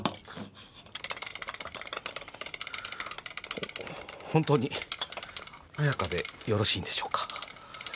ホホントに綾華でよろしいんでしょうか？